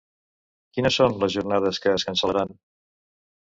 Quines són les jornades que es cancel·laran?